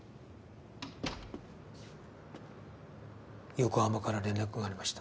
横浜から連絡がありました。